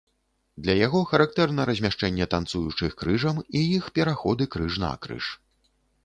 Для яго характэрна размяшчэнне танцуючых крыжам і іх пераходы крыж-накрыж.